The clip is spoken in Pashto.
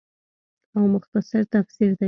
او مختصر تفسير دے